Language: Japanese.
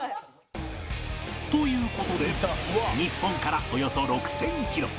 という事で日本からおよそ６０００キロ